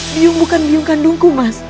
biung bukan biung kandungku mas